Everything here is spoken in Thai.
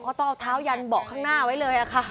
เขาต้องเอาเท้ายันเบาะข้างหน้าไว้เลยค่ะ